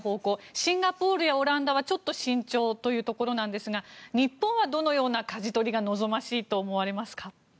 シンガポールやオランダはちょっと慎重というところなんですが日本はどのようなかじ取りが望ましいと思われますか？